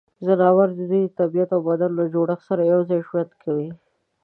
ځناور د دوی د طبعیت او بدن له جوړښت سره یوځای ژوند کوي.